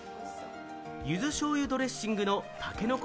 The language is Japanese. ゆず醤油ドレッシングのたけのこ